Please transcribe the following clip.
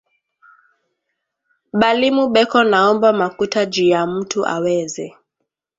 Balimu beko naomba makuta juya mutu aweze